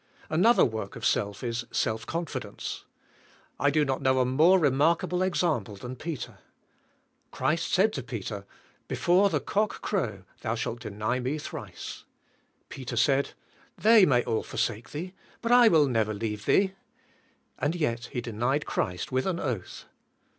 Another work of self is self confidence. I do not know a more remarkable example than Peter. Christ said to Peter, '* Before the cock shall crow, thou shalt deny me thrice/' Peter said, "They may all forsake Thee but I will never leave Thee," and yet he denied Christ with an oath.